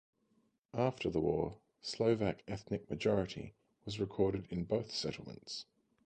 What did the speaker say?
After the war, Slovak ethnic majority was recorded in both settlements.